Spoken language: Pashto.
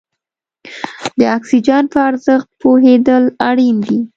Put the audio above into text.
د اکسیجن په ارزښت پوهېدل اړین دي.